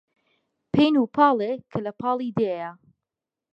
پەین و پاڵێ کە لە پاڵی دێیە